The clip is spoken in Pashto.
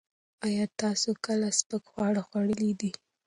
ایا تاسو کله سپک خواړه خوړلي دي؟